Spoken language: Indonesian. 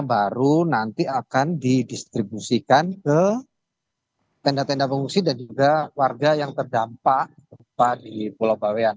baru nanti akan didistribusikan ke tenda tenda pengungsi dan juga warga yang terdampak gempa di pulau bawean